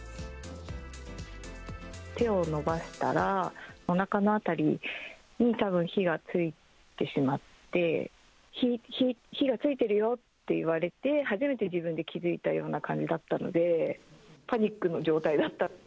手を伸ばしたら、おなかの辺りに、たぶん火がついてしまって、火、火、火がついてるよって言われて、初めて自分で気付いたような感じだったので、パニックの状態だっ